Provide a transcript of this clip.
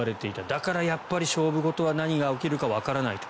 だからやっぱり勝負事は何が起きるかわからない。